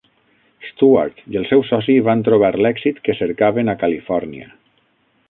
Stewart i el seu soci van trobar l'èxit que cercaven a Califòrnia.